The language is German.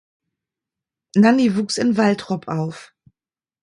Nanni wuchs in Waltrop auf.